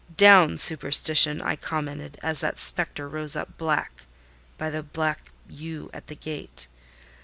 "Down superstition!" I commented, as that spectre rose up black by the black yew at the gate.